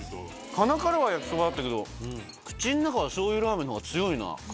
鼻からは焼そばだったけど口の中はしょうゆラーメンの方が強いな。